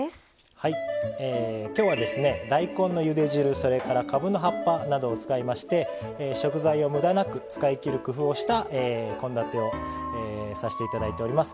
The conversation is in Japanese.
はい今日は大根のゆで汁それからかぶの葉っぱなどを使いまして食材をむだなく使いきる工夫をした献立をさせて頂いております。